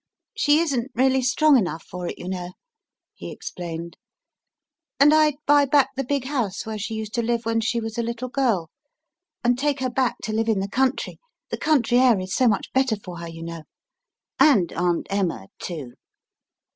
* She isn t really strong enough for it, you know, he explained, and I d buy back the big house where she xii Mlf FIRST BOOK used to live when she was a little girl, and take her back to live in the country the country air is so much better for her, you know and Aunt Emma, too.